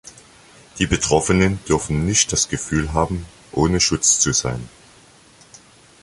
Die Betroffenen dürfen nicht das Gefühl haben, ohne Schutz zu sein.